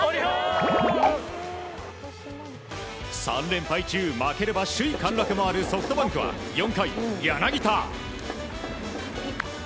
３連敗中負ければ首位陥落もあるソフトバンクは４回、柳田。